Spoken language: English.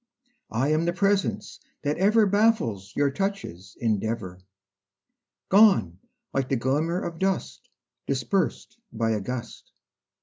I am the presence that ever Baffles your touch's endeavor, Gone like the glimmer of dust Dispersed by a gust.